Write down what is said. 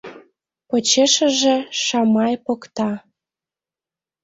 Почешыже Шамай покта.